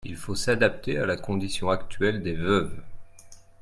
Il faut s’adapter à la condition actuelle des veuves.